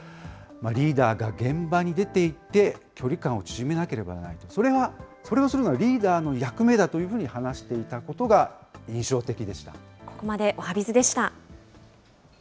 リーダーが現場に出ていって、距離感を縮めなければならないと、それが、それをするのがリーダーの役目だというふうに話していたここまでおはＢｉｚでした。